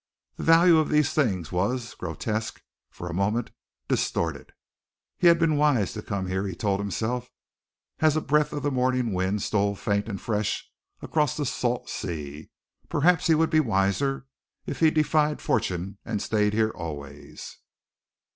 The value of these things was, grotesque, for a moment, distorted. He had been wise to come here, he told himself, as a breath of the morning wind stole, faint and fresh, across the salt sea. Perhaps he would be wiser still if he defied fortune and stayed here always.